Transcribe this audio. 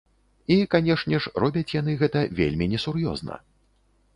І, канешне ж, робяць яны гэта вельмі несур'ёзна!